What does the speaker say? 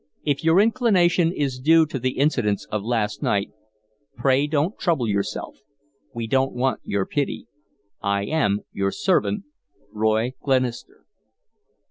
If your inclination is due to the incidents of last night, pray don't trouble yourself. We don't want your pity. I am, "Your servant, "ROY GLENISTER."